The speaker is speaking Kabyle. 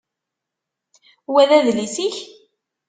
Wa d adlis-ik?